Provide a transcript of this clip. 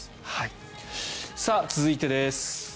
続いてです。